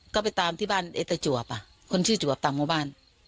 ก็ไปตามที่บ้านเอ็ดเตอร์จวับอ่ะคนชื่อจวับต่างบ้าน